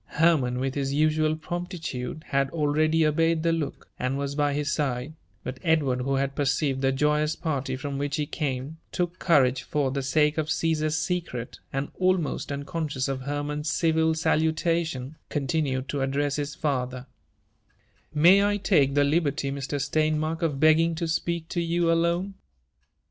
i Hermann, with his usual promptitude, had already obeyed the look, and was by his side ; but Edward, who had perceived the joyous party from which he came, took courage for the sake of Caesar's secret, and, almost unconscious of Hermann's civil salutation, continued to address his father :" May I take the liberty, Mr. Steinmark, of begging to speak to you alone?"